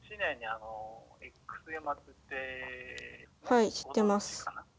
はい知ってます。